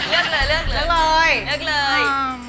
เลือกเลย